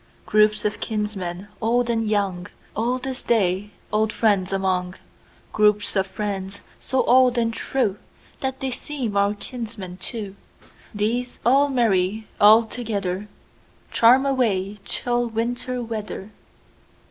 Groups of kinsmen, old and young, Oldest they old friends among; Groups of friends, so old and trueThat they seem our kinsmen too; These all merry all togetherCharm away chill Winter weather.